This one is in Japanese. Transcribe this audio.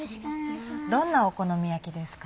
どんなお好み焼きですか？